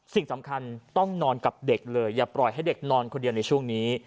สิ่งสำคัญต้องนอนกับเด็กเลยอย่าปล่อยให้เด็กนอนคนเดียวในช่วงนี้